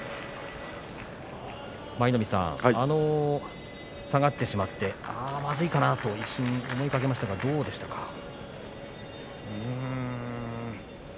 舞の海さん、下がってしまってまずいかなと一瞬思ったんですがどうでしたか？